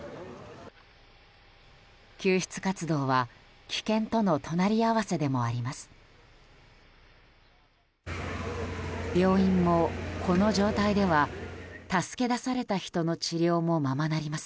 救出活動は危険との隣り合わせでもあります。